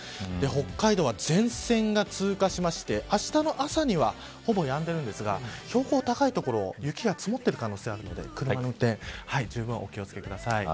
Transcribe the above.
北海道は前線が通過してあしたの朝にはほぼやんでるんですが標高が高い所、雪が積もっている可能性があるので車の運転じゅうぶんお気を付けください。